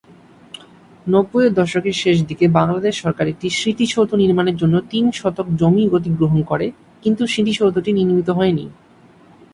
নব্বইয়ের দশকের শেষ দিকে বাংলাদেশ সরকার একটি স্মৃতিসৌধ নির্মাণের জন্য তিন শতক জমি অধিগ্রহণ করে; কিন্তু স্মৃতিসৌধটি নির্মিত হয়নি।